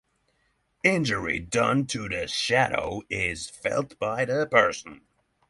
Injury done to the shadow is felt by the person.